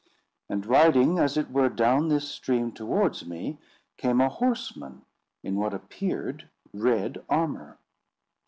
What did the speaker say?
And riding as it were down this stream towards me, came a horseman in what appeared red armour.